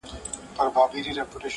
سپين لاسونه د ساقي به چيري وېشي!!